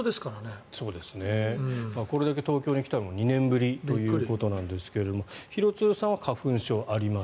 これだけ東京に来たのは２年ぶりということなんですが廣津留さんは花粉症あります。